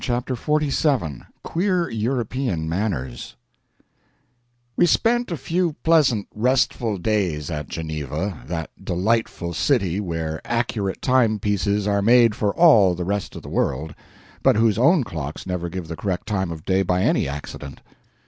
CHAPTER XLVII [Queer European Manners] We spent a few pleasant restful days at Geneva, that delightful city where accurate time pieces are made for all the rest of the world, but whose own clocks never give the correct time of day by any accident.